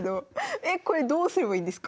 えこれどうすればいいんですか？